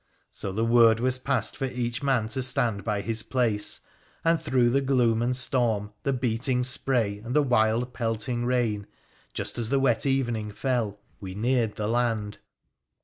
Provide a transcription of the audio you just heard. ' So the word was passed for each man to stand by his place, and through the gloom and storm, the beating spray and the wild pelting rain, just as the wet evening fell, we neared the land.